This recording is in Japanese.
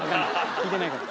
聞いてないから。